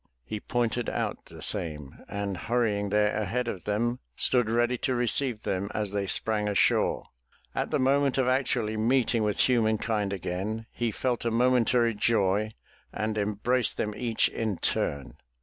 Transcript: He pointed out the same, and, hurrying there ahead of them, stood ready to receive them as they sprang ashore. At the moment of actually meeting with humankind again, he felt a momentary joy and embraced them each in turn.